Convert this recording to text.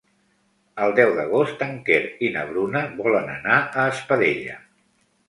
El deu d'agost en Quer i na Bruna volen anar a Espadella.